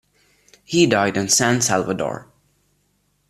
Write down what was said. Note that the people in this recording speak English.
He died in San Salvador.